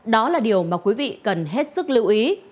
đó là điều mà quý vị cần hết sức lưu ý